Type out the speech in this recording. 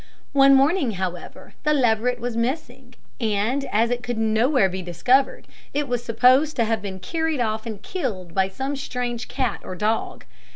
One morning, however, the leveret was missing, and as it could nowhere be discovered, it was supposed to have been carried off and killed by some strange cat or dog.